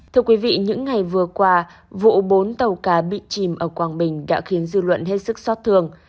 thưa quý vị những ngày vừa qua vụ bốn tàu cá bị chìm ở quảng bình đã khiến dư luận hết sức xót thường